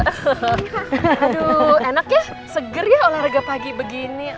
aduh enak ya seger ya olahraga pagi begini